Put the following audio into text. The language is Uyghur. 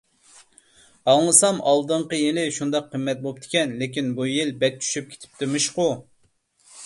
ئاڭلىسام ئالدىنقى يىلى شۇنداق قىممەت بوپتىكەن. لېكىن بۇ يىل بەك چۈشۈپ كېتىپتىمىشقۇ!